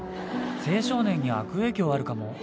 青少年に悪影響あるかも。